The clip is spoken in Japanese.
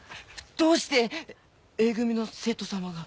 どうしてＡ組の生徒さまが。